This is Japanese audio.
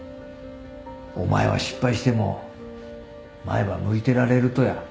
お前は失敗しても前ば向いてられるとや？